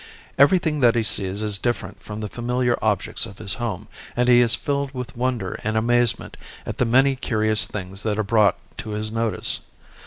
Everything that he sees is different from the familiar objects of his home, and he is filled with wonder and amazement at the many curious things that are brought to his notice.